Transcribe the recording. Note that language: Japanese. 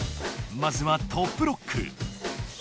まずは「トップロック」。